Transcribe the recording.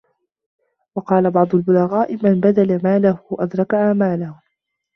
وَقَالَ بَعْضُ الْبُلَغَاءِ مَنْ بَذَلَ مَالَهُ أَدْرَكَ آمَالَهُ